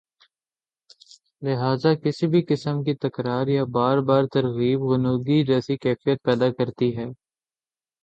لہذا کسی بھی قسم کی تکرار یا بار بار ترغیب غنودگی جیسی کیفیت پیدا کرتی ہے